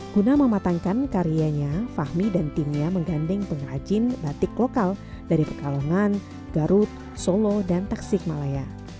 guna mematangkan karyanya fahmi dan timnya menggandeng pengrajin batik lokal dari pekalongan garut solo dan tasik malaya